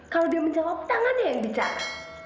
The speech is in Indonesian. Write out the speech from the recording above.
kalau dia menjawab tangannya yang bicara